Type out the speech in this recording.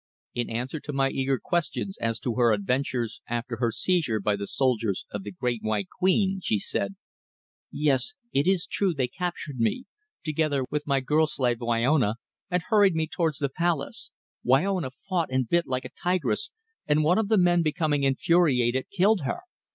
In answer to my eager questions as to her adventures after her seizure by the soldiers of the Great White Queen, she said: "Yes. It is true they captured me, together with my girl slave, Wyona, and hurried me towards the palace. Wyona fought and bit like a tigress, and one of the men becoming infuriated, killed her.